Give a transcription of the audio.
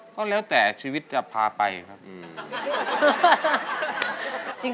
ก็แล้วแต่ชีวิตจะพาไปครับ